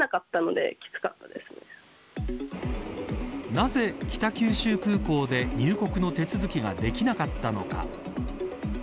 なぜ北九州空港で入国の手続きができなかったのか。